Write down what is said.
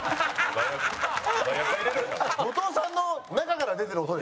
後藤さんの中から出てる音ですか？